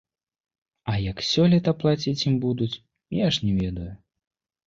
А як сёлета плаціць ім будуць, я ж не ведаю.